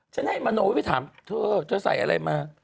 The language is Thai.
ฉันให้มโนวิทย์ถามเธอใส่อะไรมา